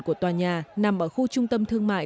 của tòa nhà nằm ở khu trung tâm thương mại